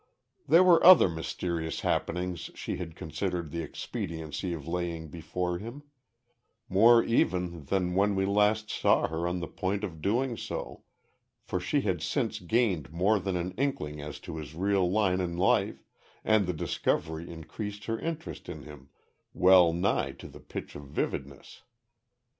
There were other mysterious happenings she had considered the expediency of laying before him; more even than when we last saw her on the point of doing so; for she had since gained more than an inkling as to his real line in life and the discovery increased her interest in him well nigh to the pitch of vividness.